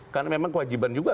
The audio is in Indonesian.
karena memang kewajiban juga